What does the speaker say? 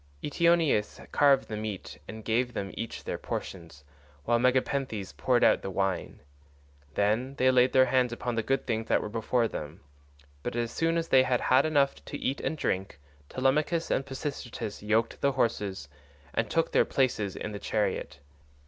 Eteoneus carved the meat and gave them each their portions, while Megapenthes poured out the wine. Then they laid their hands upon the good things that were before them, but as soon as they had had enough to eat and drink Telemachus and Pisistratus yoked the horses, and took their places in the chariot.